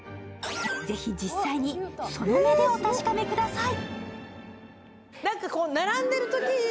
ぜひ、実際にその目でお確かめください。